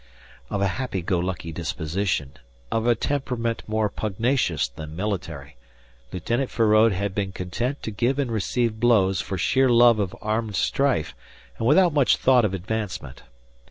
Of a happy go lucky disposition, of a temperament more pugnacious than military, Lieutenant Feraud had been content to give and receive blows for sheer love of armed strife and without much thought of advancement.